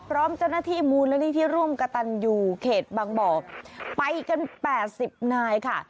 พร้อมเจ้าหน้าที่มูลนิธิร่วมกระตันอยู่เขตบางบ่อไปกัน๘๐นายค่ะ